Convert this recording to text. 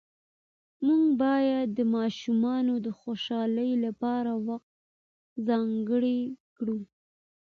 موږ باید د ماشومانو د خوشحالۍ لپاره وخت ځانګړی کړو